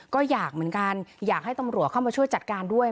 ก็อยากเหมือนกันอยากให้ตำรวจเข้ามาช่วยจัดการด้วย